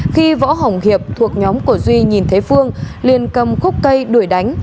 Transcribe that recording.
khi võ hồng hiệp thuộc nhóm của duy nhìn thấy phương liền cầm khúc cây đuổi đánh